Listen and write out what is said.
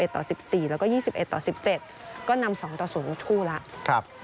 ต่อ๑๔แล้วก็๒๑ต่อ๑๗ก็นำ๒ต่อ๐คู่แล้ว